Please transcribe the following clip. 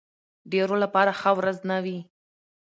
ډېرو لپاره ښه ورځ نه وي.